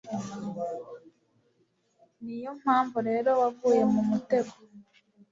ni yo mpamvu rero waguye mu mutego